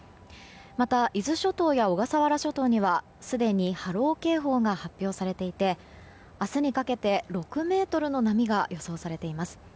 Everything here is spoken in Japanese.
また、伊豆諸島や小笠原諸島にはすでに波浪警報が発表されていて明日にかけて６ｍの波が予想されています。